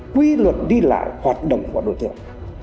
quy luật đi lại hoạt động của đối tượng